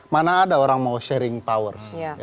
mana ada orang mau sharing powers